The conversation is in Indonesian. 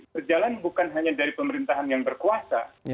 berjalan bukan hanya dari pemerintahan yang berkuasa